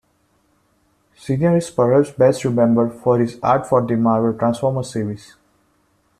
Senior is perhaps best remembered for his art for the Marvel "Transformers" series.